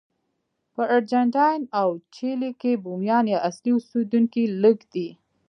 په ارجنټاین او چیلي کې بومیان یا اصلي اوسېدونکي لږ دي.